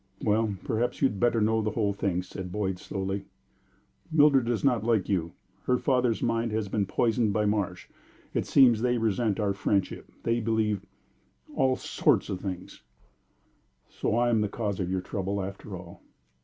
"Well, perhaps you had better know the whole thing," said Boyd, slowly. "Mildred does not like you; her father's mind has been poisoned by Marsh. It seems they resent our friendship; they believe all sorts of things." "So I am the cause of your trouble, after all."